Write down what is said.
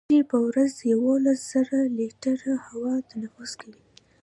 سږي په ورځ یوولس زره لیټره هوا تنفس کوي.